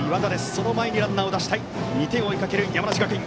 その前にランナーを出したい２点を追いかける山梨学院。